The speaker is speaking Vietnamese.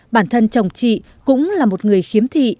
bản thân chồng chị cũng là một người khiếm thị